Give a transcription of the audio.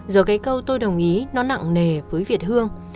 giờ cái câu tôi đồng ý nó nặng nề với việt hương